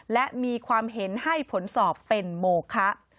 และมีความเห็นให้ผลสอบเป็นโมคะ